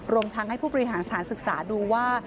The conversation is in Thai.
รวมทั้งให้ผู้บริหารสถานศึกษาดูว่า